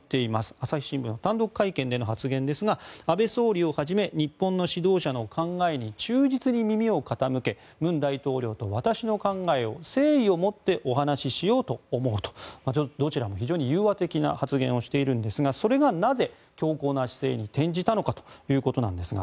朝日新聞単独会見での発言ですが安倍総理をはじめ日本の指導者の考えに忠実に耳を傾け文大統領と私の考えを誠意を持ってお話ししようと思うとどちらも非常に融和的な発言をしているんですがそれがなぜ強硬な姿勢に転じたのかということですが